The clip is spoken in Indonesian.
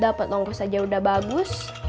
dapat nongkus aja udah bagus